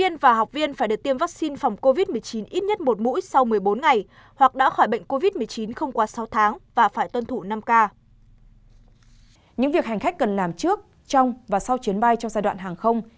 những việc hành khách cần làm trước trong và sau chuyến bay trong giai đoạn hàng không